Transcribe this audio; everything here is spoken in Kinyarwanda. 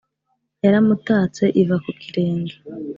yaramutatse iva ku kirenge